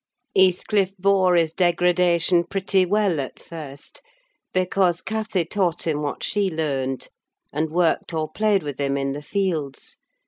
Heathcliff bore his degradation pretty well at first, because Cathy taught him what she learnt, and worked or played with him in the fields.